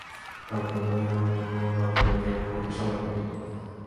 ক্রমে ক্রমে অন্যান্য নানা লােকের মুখ হইতে সংবাদ পাইতে লাগিলেন।